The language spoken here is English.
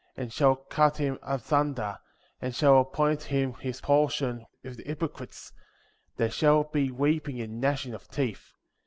And shall cut him asunder, and shall appoint him his portion with the hynocrites; there shall be weeping and gnashing of teeth.